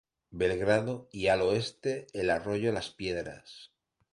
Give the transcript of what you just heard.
Belgrano y al oeste el arroyo Las Piedras.